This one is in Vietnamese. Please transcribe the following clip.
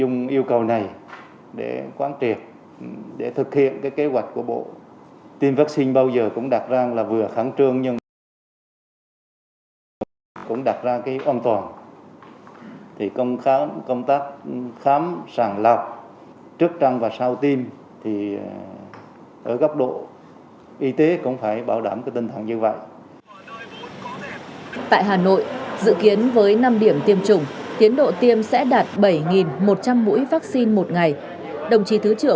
ứng yêu cầu công tác đặt ra đối với lực lượng nòng cốt tuyến đầu chống dịch